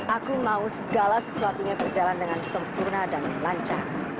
aku mau segala sesuatunya berjalan dengan sempurna dan lancar